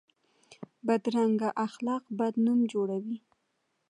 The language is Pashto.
بدرنګه اخلاق بد نوم جوړوي